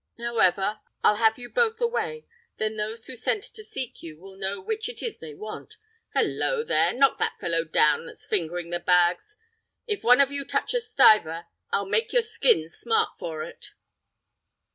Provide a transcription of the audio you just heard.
However, I'll have you both away; then those who sent to seek you will know which it is they want. Hollo there! knock that fellow down that's fingering the bags. If one of you touch a stiver I'll make your skins smart for it."